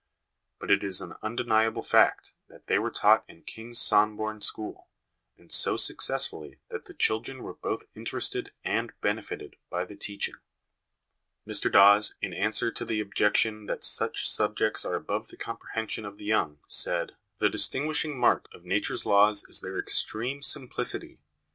But it is an undeniable fact that they were taught in Kings Somborne school, and so successfully that the chil dren were both interested and benefited by the teaching. Mr Dawes, in answer to the objection that such subjects are above the comprehension of the young, said :* The distinguishing mark of Nature's LESSONS AS INSTRUMENTS OF EDUCATION 2/1 laws is their extreme simplicity.